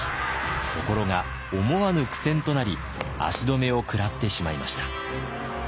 ところが思わぬ苦戦となり足止めを食らってしまいました。